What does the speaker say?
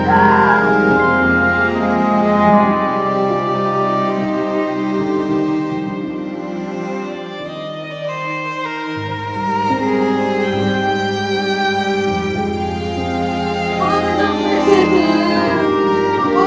tolong diam dok